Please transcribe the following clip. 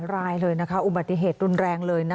รายเลยนะคะอุบัติเหตุรุนแรงเลย